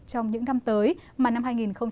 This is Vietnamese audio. trong những năm tới mà năm hai nghìn một mươi tám